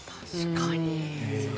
確かに。